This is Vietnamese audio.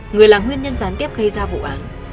người là nguyên nhân gián tiếp gây ra vụ án